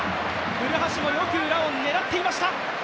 古橋もよく裏を狙っていました。